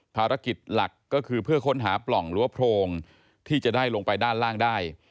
ภารกิจหลักก็คือเพื่อค้นหาปล่องหรือว่าโพรงที่จะได้ลงไปด้านล่างได้